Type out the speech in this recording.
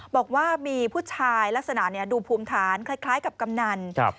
บอกว่ามีผู้ชายลักษณะดูภูมิฐานคล้ายกับกำนัน